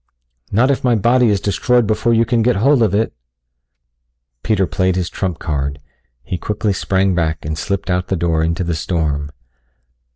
"Not if my body is destroyed before you can get hold of it." Peter played his trump card. He quickly sprang back and slipped out the door into the storm.